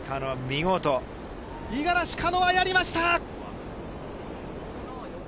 五十嵐カノアやりました。